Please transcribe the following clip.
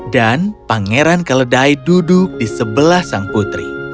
dan pangeran keledai duduk di sebelah sang putri